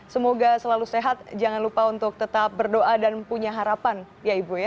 semoga selalu sehat jangan lupa untuk tetap berdoa dan punya harapan ya ibu ya